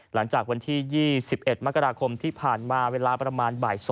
หลังจากวันที่๒๑มกราคมที่ผ่านมาเวลาประมาณบ่าย๒